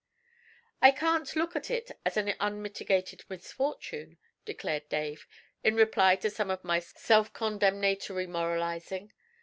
'I can't look at it as an unmitigated misfortune,' declared Dave, in reply to some of my self condemnatory moralizing.